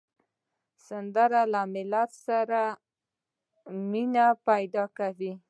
سندره له ملت سره مینه پیدا کوي